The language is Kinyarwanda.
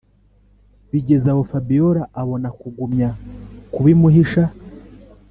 bigezaho fabiora abona kugumya kubimuhisha